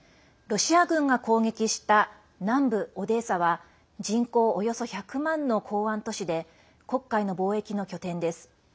ロシア軍が攻撃した南部オデーサは人口およそ１００万の港湾都市で黒海の貿易の拠点です。